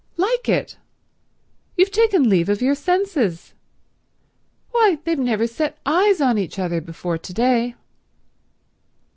"Like it! You've taken leave of your senses. Why they've never set eyes on each other before to day."